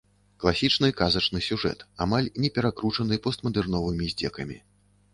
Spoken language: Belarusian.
Класічны казачны сюжэт, амаль не перакручаны постмадэрновымі здзекамі.